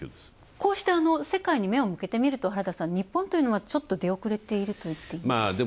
こうした世界に目を向けてみると日本というのはちょっと出遅れているといっていいでしょうか。